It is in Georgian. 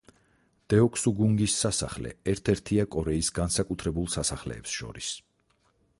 დეოკსუგუნგის სასახლე ერთ-ერთია კორეის განსაკუთრებულ სასახლეებს შორის.